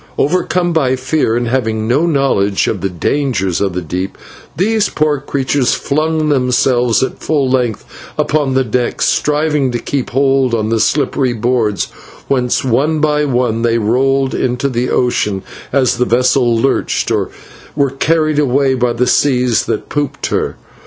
Overcome by fear, and having no knowledge of the dangers of the deep, these poor creatures flung themselves at full length upon the deck, striving to keep a hold of the slippery boards, whence one by one they rolled into the ocean as the vessel lurched, or were carried away by the seas that pooped her.